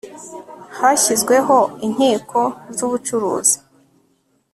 hashyizweho inkiko z'ubucuruzi